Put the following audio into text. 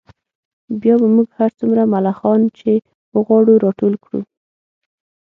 بیا به موږ هر څومره ملخان چې وغواړو راټول کړو